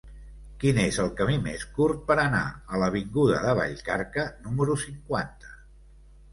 Quin és el camí més curt per anar a l'avinguda de Vallcarca número cinquanta?